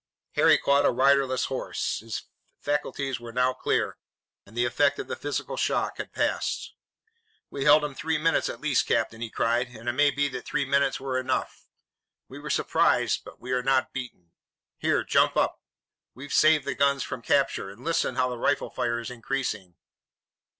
Harry caught a riderless horse. His faculties were now clear and the effect of the physical shock had passed. "We held 'em three minutes at least, Captain," he cried, "and it may be that three minutes were enough. We were surprised, but we are not beaten. Here, jump up! We've saved the guns from capture! And listen how the rifle fire is increasing."